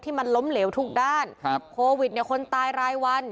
มันล้มเหลวทุกด้านครับโควิดเนี่ยคนตายรายวัน